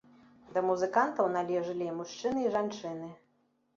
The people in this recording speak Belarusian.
Да музыкантаў належылі і мужчыны і жанчыны.